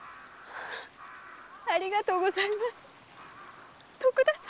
ありがとうございます徳田様。